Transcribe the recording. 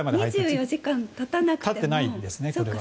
２４時間たたなくても。